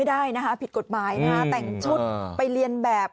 ได้นะคะผิดกฎหมายนะฮะแต่งชุดไปเรียนแบบ